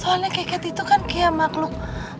soalnya keket itu kan kia makhluk